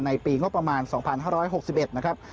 ปีงบประมาณ๒๕๖๑นะครับ